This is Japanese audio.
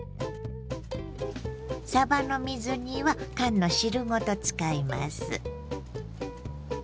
さばの水煮は缶の汁ごと使います。